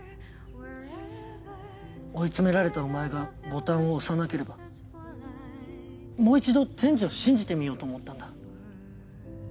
追い詰められたお前がボタンを押さなければもう一度天智を信じてみようと思ったんだ。